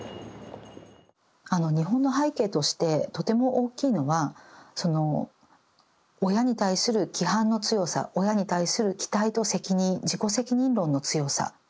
日本の背景としてとても大きいのはその親に対する規範の強さ親に対する期待と責任自己責任論の強さ。